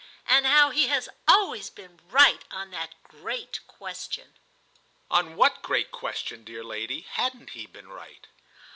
"And how he has always been right on that great question." "On what great question, dear lady, hasn't he been right?"